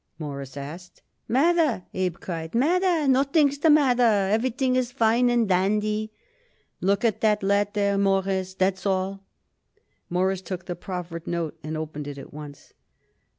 Morris asked. "Matter!" Abe cried. "Matter! Nothing's the matter. Everything's fine and dandy. Just look at that letter, Mawruss. That's all." Morris took the proffered note and opened it at once.